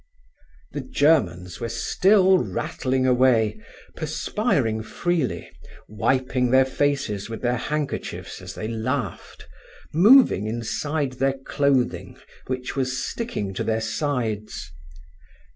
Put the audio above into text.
The Germans were still rattling away, perspiring freely, wiping their faces with their handkerchiefs as they laughed, moving inside their clothing, which was sticking to their sides.